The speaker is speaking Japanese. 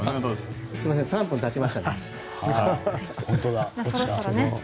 すみません３分たちましたので。